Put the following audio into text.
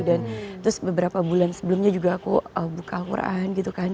dan terus beberapa bulan sebelumnya juga aku buka quran gitu kan